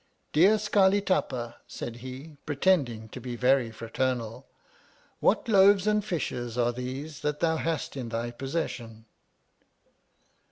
Dear Scarli Tapa, said he, pretending to be very fraternal, what loaves and fishes are these that thou hast in thy possession